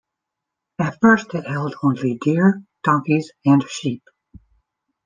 At first, it held only deer, donkeys, and sheep.